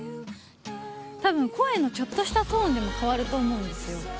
たぶん、声のちょっとしたトーンでも変わると思うんですよ。